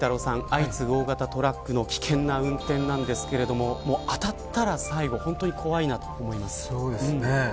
相次ぐ大型トラックの危険な運転なんですが当たったら最後本当に怖いなと思います。